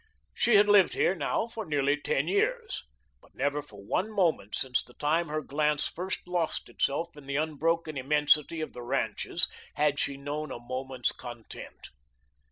She had lived here now for nearly ten years. But never for one moment since the time her glance first lost itself in the unbroken immensity of the ranches had she known a moment's content.